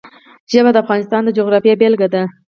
ژبې د افغانستان د جغرافیې بېلګه ده.